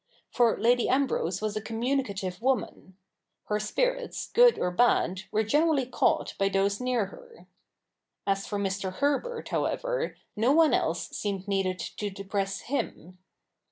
For Lady Ambrose was a com municative woman. Her spirits, good or bad, were generally caught by those near her. As for Mr. Herbert, however, no one else seemed needed to depress him.